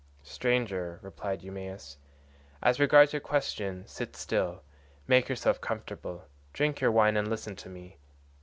"Stranger," replied Eumaeus, "as regards your question: sit still, make yourself comfortable, drink your wine, and listen to me.